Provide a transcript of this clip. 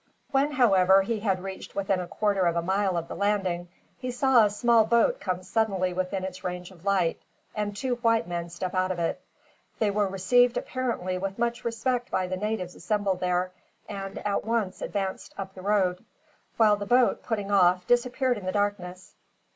When, however, he had reached within a quarter of a mile of the landing, he saw a small boat come suddenly within its range of light, and two white men step out of it. They were received, apparently, with much respect by the natives assembled there, and at once advanced up the road; while the boat, putting off, disappeared in the darkness.